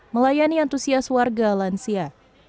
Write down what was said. melayani antusias warga lansia